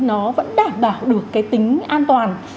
nó vẫn đảm bảo được cái tính an toàn